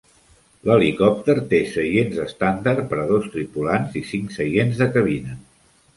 L'helicòpter té seients estàndard per a dos tripulants i cinc seients de cabina.